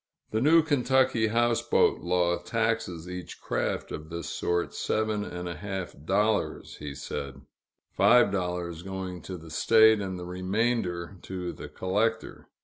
The new Kentucky houseboat law taxes each craft of this sort seven and a half dollars, he said: five dollars going to the State, and the remainder to the collector.